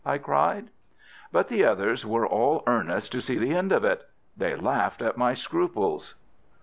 I cried. But the others were all earnest to see the end of it. They laughed at my scruples.